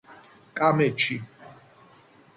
კამეჩი